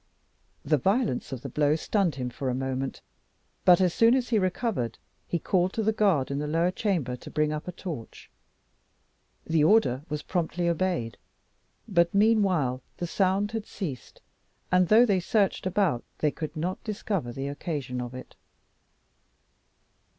The violence of the blow stunned him for a moment, but as soon as he recovered, he called to the guard in the lower chamber to bring up a torch. The order was promptly obeyed; but, meanwhile, the sound had ceased, and, though they searched about, they could not discover the occasion of it.